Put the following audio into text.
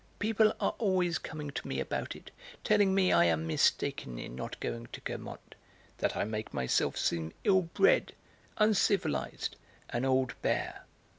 People are always coming to me about it, telling me I am mistaken in not going to Guermantes, that I make myself seem ill bred, uncivilised, an old bear.